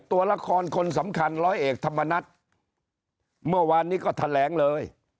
ตัวละครคนสำคัญร้อยเอกธรรมนัฐเมื่อวานนี้ก็แถลงเลย